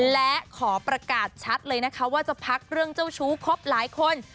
และขอประกาศชัดเลยนะคะว่าจะพักเรื่องเจ้าชู้ครบหลายคน